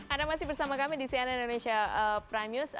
anda masih bersama kami di cnn indonesia prime news